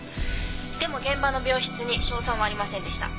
「でも現場の病室に硝酸はありませんでした」